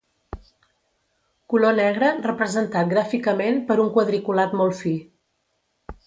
Color negre representat gràficament per un quadriculat molt fi.